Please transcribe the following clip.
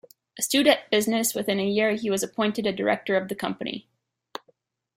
Astute at business, within a year he was appointed a director of the company.